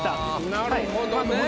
なるほどね。